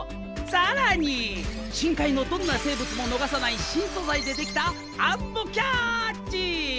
更に深海のどんな生物も逃さない新素材でできたアンモキャッチ！